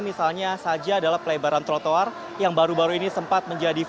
misalnya saja adalah pelebaran trotoar yang baru baru ini sempat menjadi viral